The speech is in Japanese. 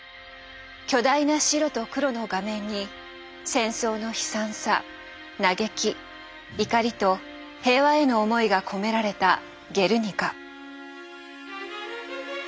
巨大な白と黒の画面に戦争の悲惨さ嘆き怒りと平和への思いが込められた「ゲルニカ」。